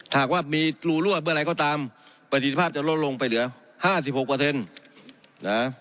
ถ้าว่ามีรูรวดเมื่อไรก็ตามปฏิภาพจะลดลงไปเหลือห้าสิบหกเปอร์เซ็นต์นะ